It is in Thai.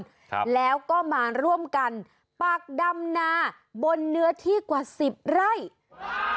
ครับแล้วก็มาร่วมกันปากดำนาบนเนื้อที่กว่าสิบไร่